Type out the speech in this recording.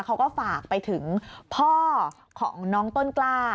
เขาก็ฝากไปถึงพ่อของน้องต้นกล้า